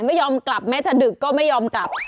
ไม่ยอมกลับแม้จะดึกก็ไม่ยอมกลับ